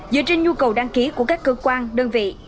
dựa trên nhu cầu đăng ký của các cơ quan đơn vị